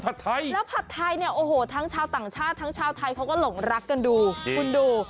แล้วผัดไทยเนี่ยโอ้โหทั้งชาวต่างชาติทั้งชาวไทยเขาก็หลงรักกันดูคุณดู